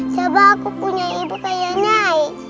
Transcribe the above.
coba aku punya ibu kayak nyai